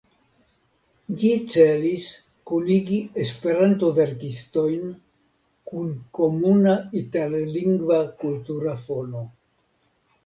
Ĝi celis kunigi Esperanto-verkistojn kun komuna itallingva kultura fono.